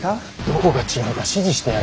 どこが違うか指示してやれよ。